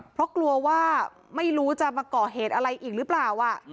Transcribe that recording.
เพราะกลัวว่าไม่รู้จะมาก่อเหตุอะไรอีกหรือเปล่า